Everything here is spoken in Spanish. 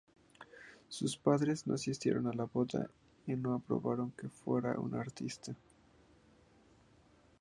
Sus padres no asistieron a la boda y no aprobaron que fuera una artista.